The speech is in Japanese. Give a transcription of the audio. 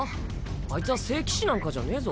あいつは聖騎士なんかじゃねぇぞ。